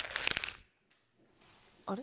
あれ？